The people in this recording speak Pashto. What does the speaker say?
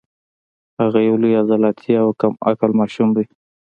هغه یو لوی عضلاتي او کم عقل ماشوم دی